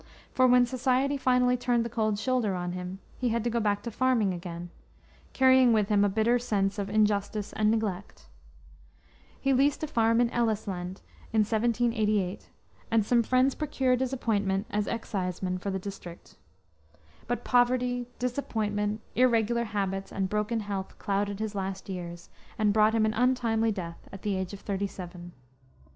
For when society finally turned the cold shoulder on him, he had to go back to farming again, carrying with him a bitter sense of injustice and neglect. He leased a farm in Ellisland, in 1788, and some friends procured his appointment as exciseman for his district. But poverty, disappointment, irregular habits, and broken health clouded his last years, and brought him to an untimely death at the age of thirty seven.